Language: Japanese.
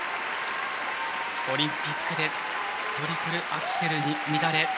オリンピックでトリプルアクセルに乱れ。